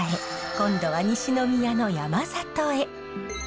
今度は西宮の山里へ。